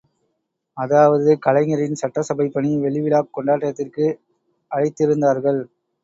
அதாவது கலைஞரின் சட்டசபைப் பணி வெள்ளிவிழாக் கொண்டாட்டத்திற்கு அழைத்திருந்தார்கள்!